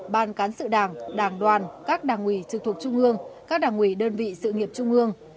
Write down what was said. ban cán sự đảng đảng đoàn các đảng ủy trực thuộc trung ương các đảng ủy đơn vị sự nghiệp trung ương